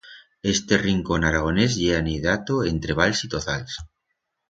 Este rincón aragonés ye aniedato entre vals y tozals.